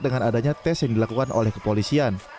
dengan adanya tes yang dilakukan oleh kepolisian